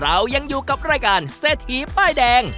เรายังอยู่กับรายการเศรษฐีป้ายแดง